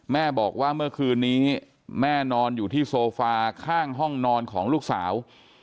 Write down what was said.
แม่บอกว่าเมื่อคืนนี้แม่นอนอยู่ที่โซฟาข้างห้องนอนของลูกสาว